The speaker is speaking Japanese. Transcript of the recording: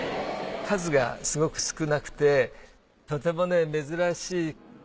数がすごく少なくてとても珍しい。